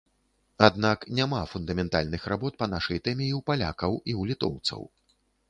Аднак няма фундаментальных работ па нашай тэме і ў палякаў, і ў літоўцаў.